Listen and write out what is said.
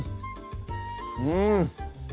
うん！